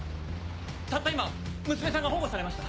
たった今娘さんが保護されました。